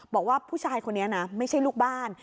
บอกว่าผู้ชายคนนี้นะไม่ใช่ลูกบ้าน